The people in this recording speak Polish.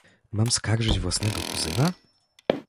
Mam skarżyć własnego kuzyna?